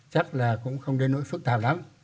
chắc là cũng không đến nỗi phức tạp lắm